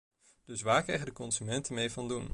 Dus waar krijgen de consumenten mee van doen?